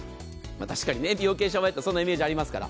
確かに美容系シャワーヘッドそんなイメージがありますから。